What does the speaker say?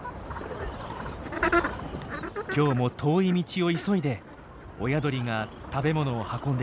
今日も遠い道を急いで親鳥が食べ物を運んできます。